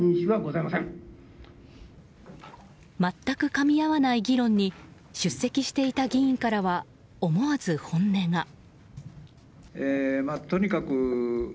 全くかみ合わない議論に出席していた議員からは思わず本音が。